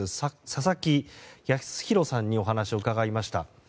佐々木保博さんにお話を伺いました。